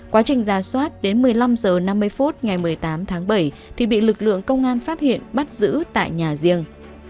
quá trình ra soát đến một mươi năm h năm mươi phút ngày một mươi tám tháng bảy thì bị lực lượng công an phát hiện bắt giữ tại nhà riêng